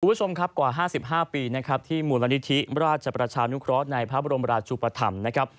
คุณผู้ชมครับกว่า๕๕ปีนะครับที่มูลนิธิราชประชานุเคราะห์ในพระบรมราชุปธรรมนะครับ